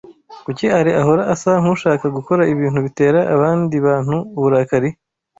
Kuki Alain ahora asa nkushaka gukora ibintu bitera abandi bantu uburakari?